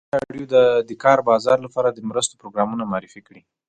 ازادي راډیو د د کار بازار لپاره د مرستو پروګرامونه معرفي کړي.